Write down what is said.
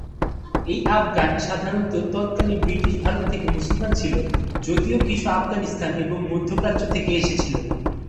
এই "আফগান" সাধারণত তৎকালীন ব্রিটিশ ভারত থেকে মুসলমান ছিল, যদিও কিছু আফগানিস্তান এবং মধ্যপ্রাচ্য থেকে এসেছিল।